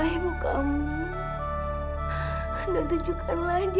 sebagian dari masa ber heroin itu